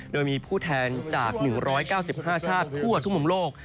โดยมีผู้แทนจาก๑๙๕ชาติทั่วทุกมุมโลก